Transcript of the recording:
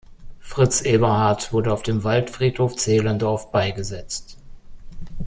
Fritz Eberhard wurde auf dem Waldfriedhof Zehlendorf beigesetzt.